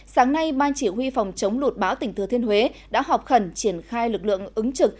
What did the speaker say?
sáng nay ban chỉ huy phòng chống lụt báo tỉnh thừa thiên huế đã họp khẩn triển khai lực lượng ứng trực